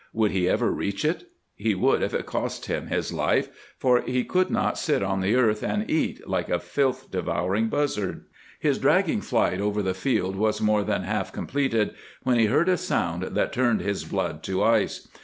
Would he ever reach it? He would if it cost him his life, for he could not sit on the earth and eat, like a filth devouring buzzard. His dragging flight over the field was more than half completed, when he heard a sound that turned his blood to ice.